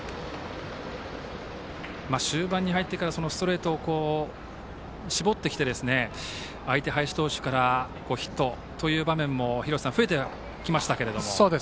終盤に入ってからストレートを絞ってきて相手、林投手からヒットという場面も増えてきましたけれども。